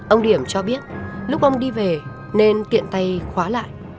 ông điểm cho biết lúc ông đi về nên tiện tay khóa lại